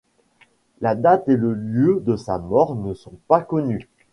La date et le lieu de sa mort ne sont pas connus.